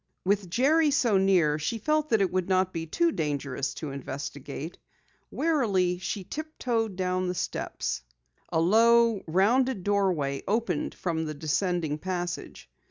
With Jerry so near, she felt that it would not be too dangerous to investigate. Warily she tiptoed down the steps. A low, rounding doorway opened from the descending passage.